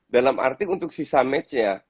dalam arti untuk sisa match nya